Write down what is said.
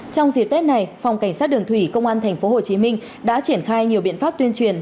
trong dịp tết này phòng cảnh sát đường thủy công an tp hcm đã triển khai nhiều biện pháp tuyên truyền